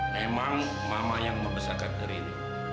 memang mama yang membesarkan diri